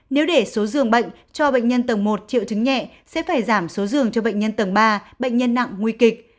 nếu để số giường bệnh cho bệnh nhân tầng một triệu chứng nhẹ sẽ phải giảm số giường cho bệnh nhân tầng ba bệnh nhân nặng nguy kịch